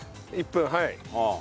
１分はい。